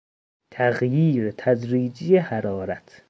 تغییر تدریجی حرارت